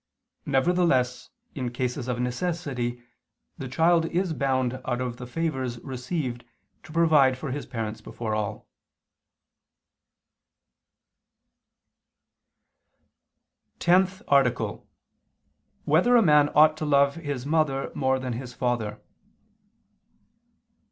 Nevertheless in cases of necessity the child is bound out of the favors received to provide for his parents before all. _______________________ TENTH ARTICLE [II II, Q. 26, Art. 10] Whether a Man Ought to Love His Mother More Than His Father?